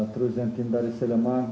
terus yang tim dari sleman